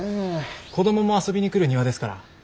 子どもも遊びに来る庭ですから。